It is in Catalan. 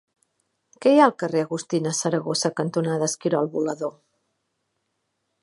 Què hi ha al carrer Agustina Saragossa cantonada Esquirol Volador?